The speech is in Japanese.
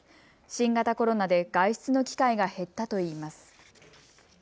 新型コロナで外出の機会が減ったといいます。